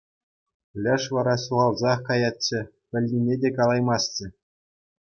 Леш вара ҫухалсах каятчӗ, пӗлнине те калаймастчӗ.